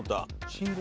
信号。